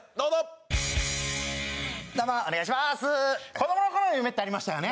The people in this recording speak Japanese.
子供の頃の夢ってありましたよね